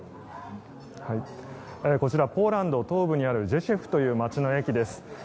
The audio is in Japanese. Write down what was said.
こちらポーランド東部にあるジェシュフという街の駅です。